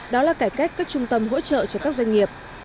đó là cải cách các trung tâm hỗ trợ cho các doanh nghiệp